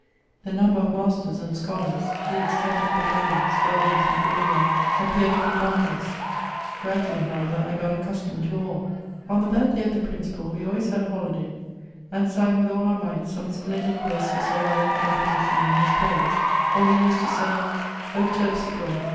The number of masters and scholars, the extent of the buildings, gardens, and court yards appeared to me bound less ; gradually, however, I got accustomed to all. On the birthday of the Principal, we always had a hoUday, and sang with all our might some splendid verses of our own compo sition in his praise, or we used to say :" Terpsichore !